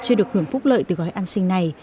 chưa được hưởng phúc lợi từ gói an sinh này